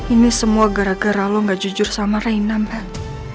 ini semua gara gara lo gak jujur sama reinam kan